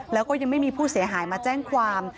แล้วก็ยังไม่มีผู้เสียหายมาแจ้งความ